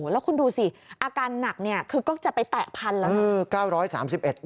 แล้วคุณดูสิอาการหนักก็จะไปแตะพันแล้ว